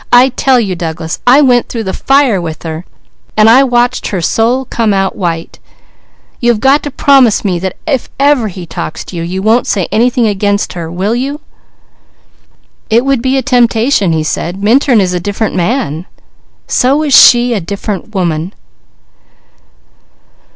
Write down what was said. "I tell you Douglas, I went through the fire with her. I watched her soul come out white. Promise me that if ever he talks to you, you won't say anything against her." "It would be a temptation," he said. "Minturn is a different man." "So is she a different woman!